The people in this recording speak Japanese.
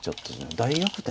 大逆転？